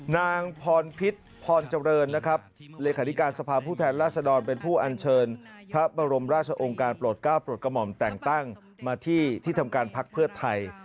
นางพรพิษพรเจริญนะครับเลขาธิการสภาพผู้แทนราษฎรเป็นผู้อัญเชิญพระบรมราชองค์การโปรดก้าวโปรดกระหม่อมแต่งตั้งมาที่ที่ทำการพักเพื่อไทย